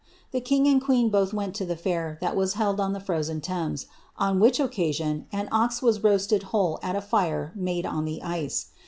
The king and queen both went to see the fair that was held on the frozen Thames, on which occasion an ox was roasted whole at a fire made on the ice.